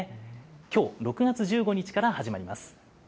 きょう６月１５日から始まります。